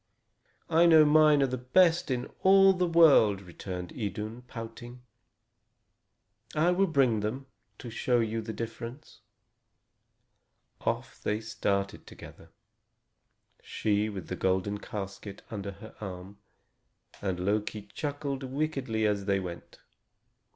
"I know mine are the best in all the world," returned Idun, pouting. "I will bring them, to show you the difference." Off they started together, she with the golden casket under her arm; and Loki chuckled wickedly as they went.